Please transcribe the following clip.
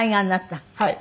はい。